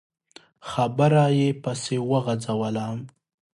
خبره يې پسې وغځوله.